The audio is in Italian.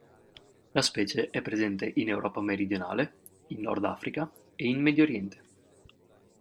La specie è presente in Europa meridionale, in Nord Africa e in Medio oriente.